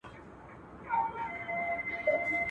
چي ئې زده د کميس غاړه، هغه ئې خوري په لکه غاړه.